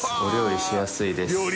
お料理しやすいです。